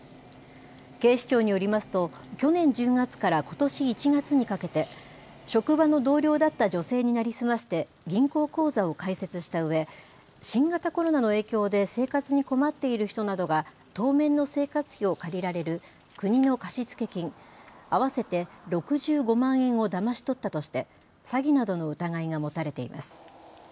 警視庁によりますと去年１０月からことし１月にかけて職場の同僚だった女性に成り済まして銀行口座を開設したうえ新型コロナの影響で生活に困っている人などが当面の生活費を借りられる国の貸付金合わせて６５万円をだまし取ったとして詐欺などの疑いが持たれています。